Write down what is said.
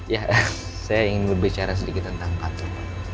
ya saya ingin berbicara sedikit tentang patung